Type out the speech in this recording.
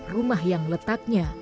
rumah yang letaknya